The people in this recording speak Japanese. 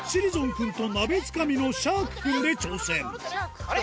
君と鍋つかみのシャークくんで挑戦あれ？